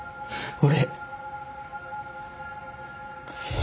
俺。